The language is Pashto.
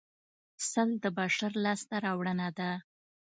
سل د بشر لاسته راوړنه ده